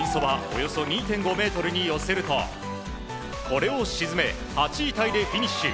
およそ２．５ｍに寄せるとこれを沈め８位タイでフィニッシュ。